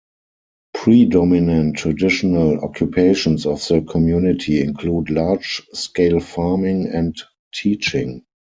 Predominant traditional occupations of the community include large scale farming and teaching.